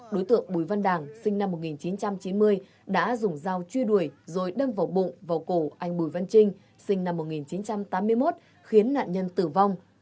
đối tượng bùi văn đảng sinh năm một nghìn chín trăm chín mươi đã dùng dao truy đuổi rồi đâm vào bụng vào cổ anh bùi văn trinh sinh năm một nghìn chín trăm tám mươi một khiến nạn nhân tử vong